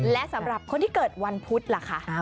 และสำหรับคนที่เกิดวันพุธล่ะคะ